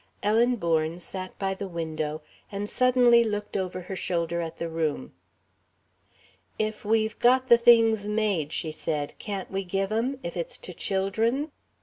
Ellen Bourne sat by the window and suddenly looked over her shoulder at the room. "If we've got the things made," she said, "can't we give 'em? If it's to children?"